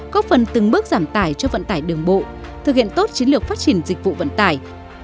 có phần từng bước giảm tải cho vận tải đường bộ thực hiện tốt chiến lược phát triển dịch vụ vận tải